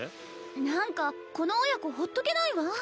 何かこの親子ほっとけないわ。